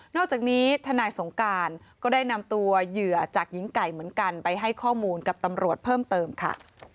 อกจากนี้ทนายสงการก็ได้นำตัวเหยื่อจากหญิงไก่เหมือนกันไปให้ข้อมูลกับตำรวจเพิ่มเติมค่ะ